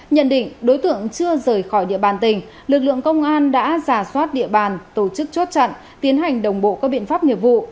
nhận định đối tượng chưa rời khỏi địa bàn tỉnh lực lượng công an đã giả soát địa bàn tổ chức chốt chặn tiến hành đồng bộ các biện pháp nghiệp vụ